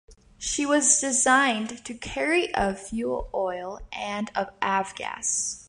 She was designed to carry of fuel oil and of Avgas.